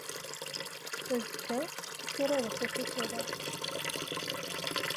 Azekka, ad turareḍ takurt n uḍar.